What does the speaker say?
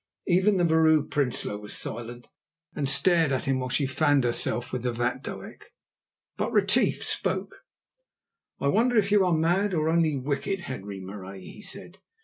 Even the Vrouw Prinsloo was silent and stared at him whilst she fanned herself with the vatdoek. But Retief spoke. "I wonder if you are mad, or only wicked, Henri Marais," he said.